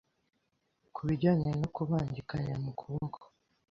kubijyanye no kubangikanya mukuboko